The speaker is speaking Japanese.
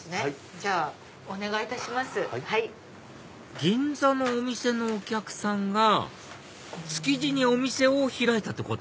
銀座のお店のお客さんが築地にお店を開いたってこと？